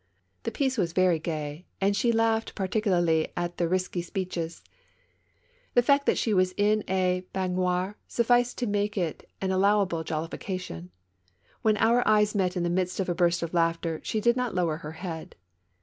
The piece was very gay, and she laughed particularly at the risky speeches. The fact that she was in a baignoire sufficed to make it an allowable jollification. AVhen our eyes met in the midst of a burst of laughter, she did not lower her head.